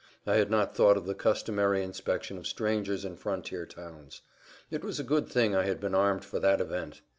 I had not thought of the customary inspection of strangers in frontier towns. It was a good thing I had been armed for that event.